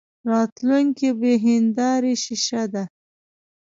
راتلونکې بې هیندارې شیشه ده.